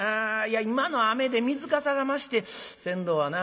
今の雨で水かさが増して船頭はな